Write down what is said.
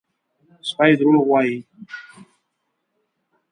_سپی دروغ وايي!